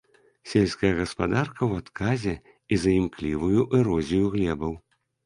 Сельская гаспадарка ў адказе і за імклівую эрозію глебаў.